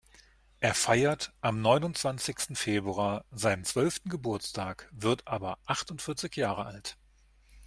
Er feiert am neunundzwanzigsten Februar seinen zwölften Geburtstag, wird aber achtundvierzig Jahre alt.